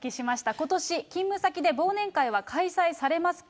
ことし、勤務先で忘年会は開催されますか？